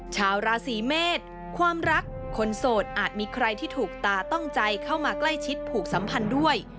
ชาวราศีเมษความรักคนโสดอาจมีใครที่ถูกตาต้องใจเข้ามาใกล้ชิดผูกสัมพันธ์ด้วย